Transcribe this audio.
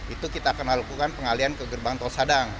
itu kita akan lakukan pengalian ke gerbang tol sadang